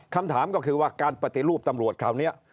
คำถามก็คือว่าการปฏิรูปตำรวจคราวนี้